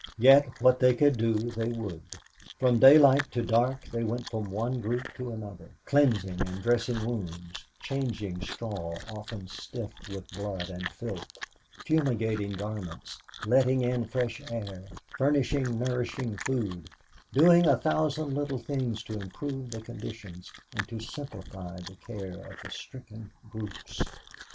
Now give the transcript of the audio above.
Yet what they could do they would. From daylight to dark they went from one group to another, cleansing and dressing wounds, changing straw often stiff with blood and filth, fumigating garments, letting in fresh air, furnishing nourishing food, doing a thousand little things to improve the conditions and to simplify the care of the stricken groups.